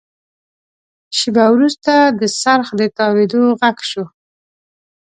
شېبه وروسته د څرخ د تاوېدو غږ شو.